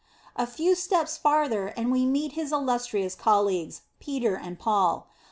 * A few steps farther, and we meet his illustrious colleagues, Peter and Paul.